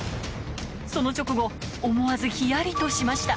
その直後思わずヒヤリとしました